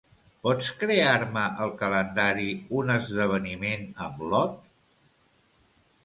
Pots crear-me al calendari un esdeveniment amb l'Ot?